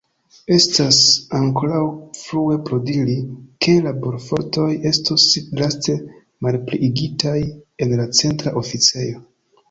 Estas ankoraŭ frue por diri, ke laborfortoj estos draste malpliigitaj en la Centra Oficejo.